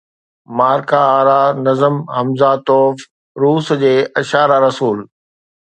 مارڪا آرا نظم Hamzatov, روس جي اشعرا رسول